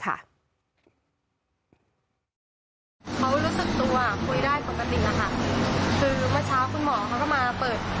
เขารู้สึกตัวคุยได้ปกติอะค่ะคือเมื่อเช้าคุณหมอเขาก็มาเปิด